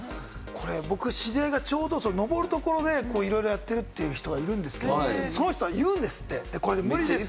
僕、知り合いがちょうど登るところでいろいろやってるという人がいるんですけれども、その人が言うんですって。